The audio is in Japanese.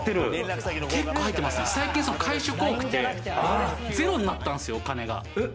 最近会食多くてゼロになったんすよお金が。